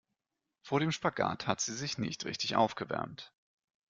Vor dem Spagat hat sie sich nicht richtig aufgewärmt.